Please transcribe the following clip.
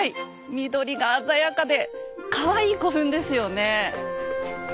緑が鮮やかでかわいい古墳ですよね。